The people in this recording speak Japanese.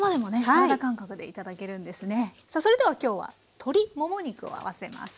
さあそれでは今日は鶏もも肉を合わせます。